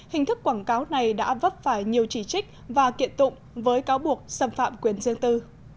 hình thức quảng cáo này đã vấp phải nhiều chỉ trích và kiện tụng với cáo buộc xâm phạm quyền riêng tư